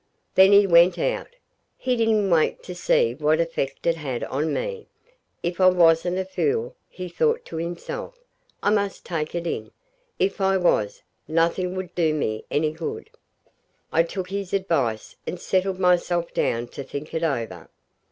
Then he went out. He didn't wait to see what effect it had on me. If I wasn't a fool, he thought to himself, I must take it in; if I was, nothing would do me any good. I took his advice, and settled myself down to think it over.